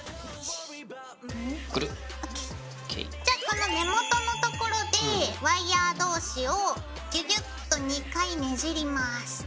じゃこの根元のところでワイヤー同士をギュギュッと２回ねじります。